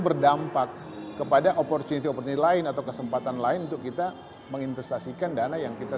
berdampak kepada opportunity opportunity lain atau kesempatan lain untuk kita menginvestasikan dana yang kita